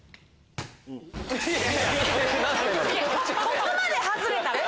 ここまで外れたら。